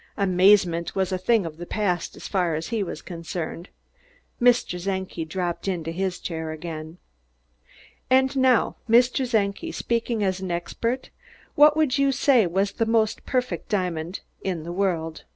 Amazement was a thing of the past, as far as he was concerned. Mr. Czenki dropped into his chair again. "And now, Mr. Czenki, speaking as an expert, what would you say was the most perfect diamond the world?"